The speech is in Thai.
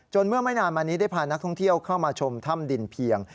เมื่อไม่นานมานี้ได้พานักท่องเที่ยวเข้ามาชมถ้ำดินเพียง